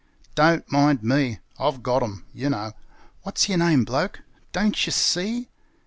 'Don't mind me; I've got 'em. You know! What's yer name, bloke! Don't yer see?